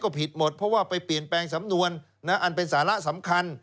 ผิดหมดเพราะว่าไปเปลี่ยนแปลงสำนวนอันเป็นสาระสำคัญ